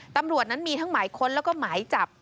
ตำรวจนั้นมีทั้งหมายค้นแล้วก็หมายจับ